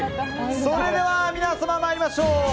それでは皆様、参りましょう！